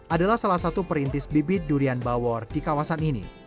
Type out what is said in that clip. adalah salah satu perintis bibit durian bawor di kawasan ini